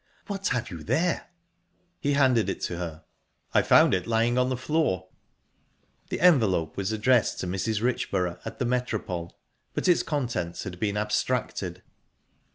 "What have you there?" He handed it to her. "I found it lying on the floor." The envelope was addressed to Mrs. Richborough, at the Metropole, but its contents had been abstracted.